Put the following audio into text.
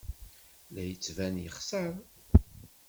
La d-yettban yexṣer.